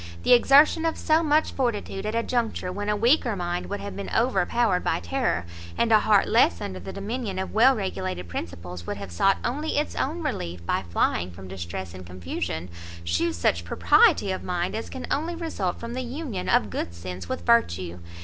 The exertion of so much fortitude at a juncture when a weaker mind would have been overpowered by terror, and a heart less under the dominion of well regulated principles, would have sought only its own relief by flying from distress and confusion, shews such propriety of mind as can only result from the union of good sense with virtue.